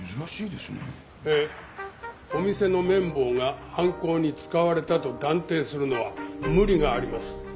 ええお店の麺棒が犯行に使われたと断定するのは無理があります。